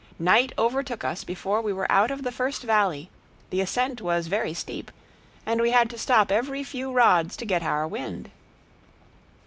Night overtook us before we were out of the first valley, the ascent was very steep, and we had to stop every few rods to get our wind.